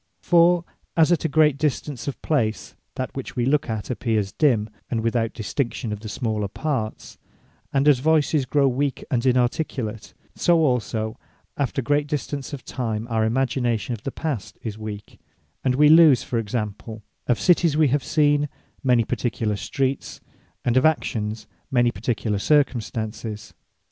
For as at a distance of place, that which wee look at, appears dimme, and without distinction of the smaller parts; and as Voyces grow weak, and inarticulate: so also after great distance of time, our imagination of the Past is weak; and wee lose( for example) of Cities wee have seen, many particular Streets; and of Actions, many particular Circumstances.